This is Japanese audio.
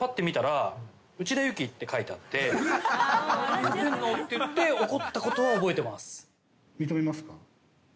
「何やってんのって怒ったことは覚えてます」